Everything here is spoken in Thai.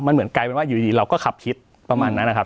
มันเหมือนกลายเป็นว่าอยู่ดีเราก็ขับคิดประมาณนั้นนะครับ